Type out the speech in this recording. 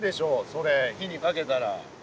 それ火にかけたら。